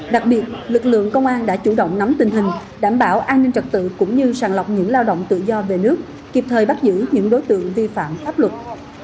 đặc biệt lực lượng công an đã chủ động nắm tình hình đảm bảo an ninh trật tự cũng như sàng lọc những lao động tự do về nước kịp thời bắt giữ những đối tượng vi phạm pháp luật